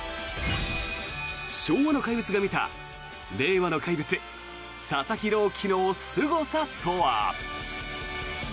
昭和の怪物が見た令和の怪物佐々木朗希のすごさとは。